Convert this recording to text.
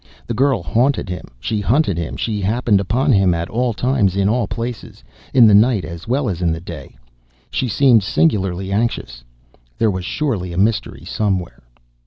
The girl haunted him; she hunted him; she happened upon him at all times and in all places, in the night as well as in the day. She seemed singularly anxious. There was surely a mystery somewhere.